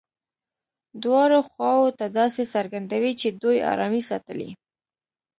دواړو خواوو ته داسې څرګندوي چې دوی ارامي ساتلې.